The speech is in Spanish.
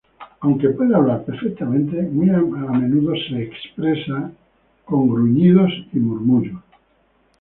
Aunque puede hablar perfectamente muy a menudo expresa gruñidos y murmullos.